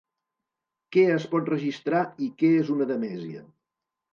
Què es pot registrar i què és una demesia?